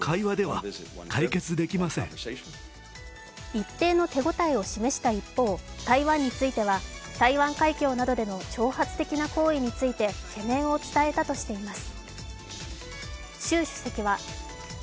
一定の手応えを示した一方、台湾については台湾海峡などでの挑発的な行為について懸念を伝えたとしています。